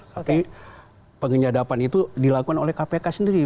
tapi penyadapan itu dilakukan oleh kpk sendiri